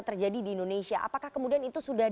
terjadi di indonesia apakah kemudian itu sudah